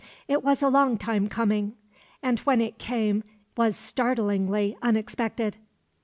It was a long time coming; and when it came was startlingly unexpected.